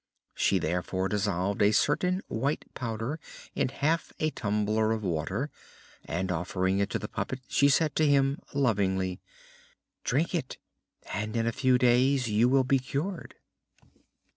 She therefore dissolved a certain white powder in half a tumbler of water and, offering it to the puppet, she said to him lovingly: "Drink it and in a few days you will be cured."